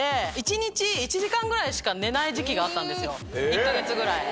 １か月ぐらい。